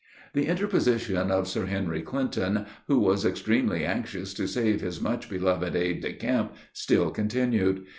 The interposition of Sir Henry Clinton, who was extremely anxious to save his much loved aid de camp, still continued.